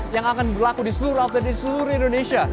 yang akan berlaku di seluruh atau di seluruh indonesia